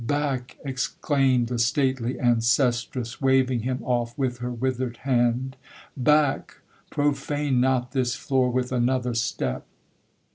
—back!'—exclaimed the stately ancestress, waving him off with her withered hand—'Back!—profane not this floor with another step!'